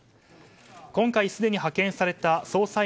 今回すでに派遣された捜査員